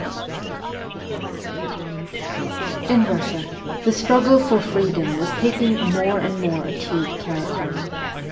VIII IN Russia, the struggle for freedom was taking a more and more acute character.